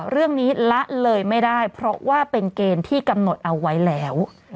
ละเลยไม่ได้เพราะว่าเป็นเกณฑ์ที่กำหนดเอาไว้แล้ว